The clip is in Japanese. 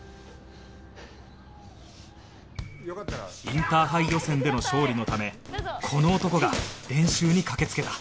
インターハイ予選での勝利のためこの男が練習に駆けつけた